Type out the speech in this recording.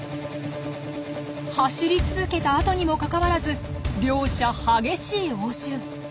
走り続けた後にもかかわらず両者激しい応酬。